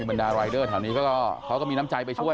บรรดารายเดอร์แถวนี้เขาก็มีน้ำใจไปช่วย